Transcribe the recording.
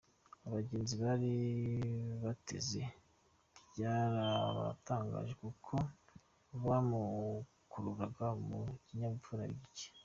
Abagenzi bari bateze byarabatangaje kuko bamukururaga mu kinyabupfura gike.